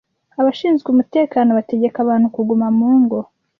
Abashinzwe umutekano bategeka abantu kuguma mu ngo